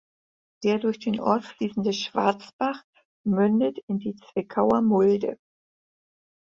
Der durch den Ort fließende Schwarzbach mündet in die Zwickauer Mulde.